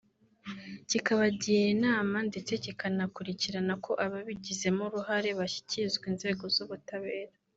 kikabagira inama ndetse kikanakurikirana ko ababigizemo uruhare bashyikizwa inzego z’ubutabera